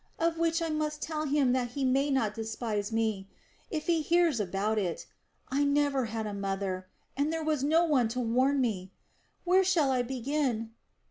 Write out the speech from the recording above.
of which I must tell him that he may not despise me, if he hears about it. I never had a mother, and there was no one to warn me.... Where shall I begin?